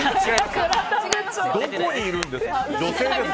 どこにいるんですか？